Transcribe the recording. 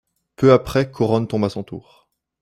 Peu après Corone tombe à son tour.